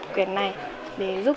quyển này để giúp